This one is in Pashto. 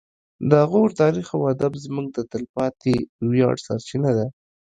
د غور تاریخ او ادب زموږ د تلپاتې ویاړ سرچینه ده